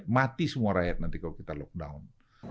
mati semua rakyat nanti kalau kita lockdown